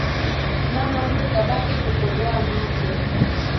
Mama mtu kabaki kukodoa macho